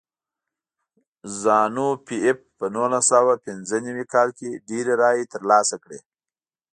زانو پي ایف په نولس سوه پنځه نوي کال کې ډېرې رایې ترلاسه کړې.